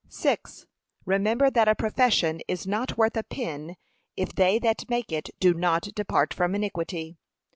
Remember that a profession is not worth a pin, if they that make it do not depart from iniquity.